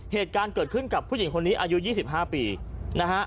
เหตุการณ์เกิดขึ้นกับผู้หญิงคนนี้อายุ๒๕ปีนะฮะ